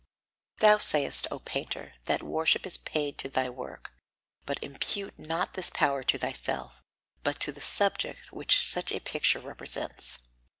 Thou sayest, O painter, that worship is paid to thy work, but impute not this power to thyself, but to the subject which such a picture represents.